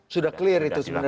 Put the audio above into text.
sudah clear itu sebenarnya